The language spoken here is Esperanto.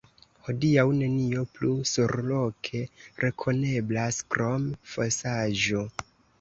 Hodiaŭ nenio plu surloke rekoneblas krom fosaĵo.